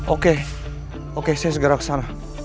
oke oke saya segera kesana